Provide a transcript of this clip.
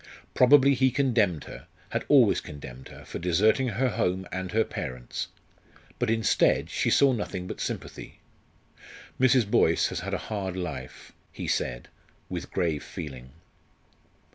Probably he condemned her, had always condemned her for deserting her home and her parents. But instead she saw nothing but sympathy. "Mrs. Boyce has had a hard life," he said, with grave feeling.